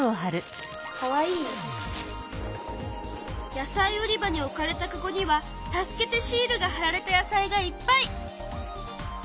野菜売り場に置かれたかごには「助けてシール」がはられた野菜がいっぱい！